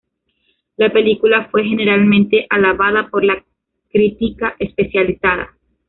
La película fue generalmente alabada por la crítica especializada.